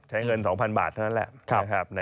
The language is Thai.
ใช้เงิน๒๐๐๐บาทเท่านั้นแหละนะครับ